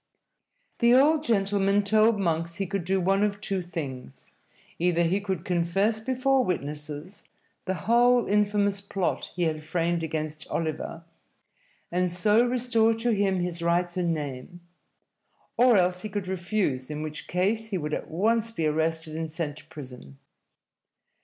The old gentleman told Monks he could do one of two things: either he could confess before witnesses the whole infamous plot he had framed against Oliver, and so restore to him his rights and name, or else he could refuse, in which case he would at once be arrested and sent to prison.